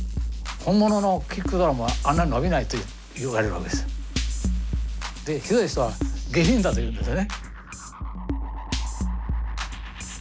本物のキックドラムはあんな伸びないと言われるわけです。でひどい人は「下品だ」と言うんですね。